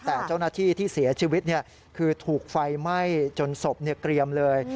แต่เจ้าหน้าที่ที่เสียชีวิตคือถูกไฟไหม้จนศพเกรียมเลย